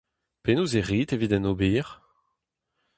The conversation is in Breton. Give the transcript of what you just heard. Penaos e rit evit en ober ?